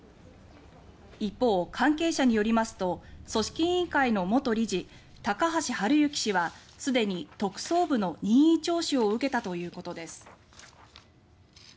一方、関係者によりますと組織委員会の元理事高橋治之氏はすでに特捜部の任意聴取を受けたということです。